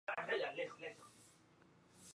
Nʼagai mey wondi nak humiya?